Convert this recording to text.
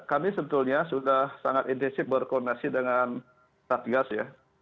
kami sebetulnya sudah sangat intensif berkoordinasi dengan satgas ya